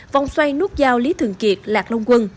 vòng xoay nút giao lý thường kiệt lạc long quân